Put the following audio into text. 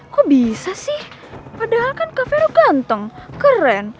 kok bisa sih padahal kan kak vero ganteng keren